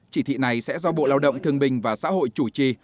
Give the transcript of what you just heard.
chỉ thị này sẽ do bộ lao động thương bình và xã hội chủ trì